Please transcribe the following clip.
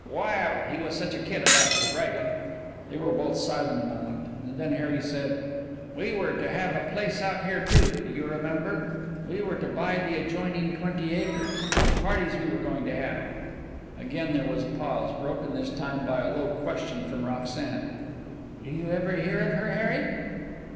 "Wild! He was such a kid about his writing." They were both silent a moment, and then Harry said: "We were to have a place out here, too. Do you remember? We were to buy the adjoining twenty acres. And the parties we were going to have!" Again there was a pause, broken this time by a low question from Roxanne. "Do you ever hear of her, Harry?"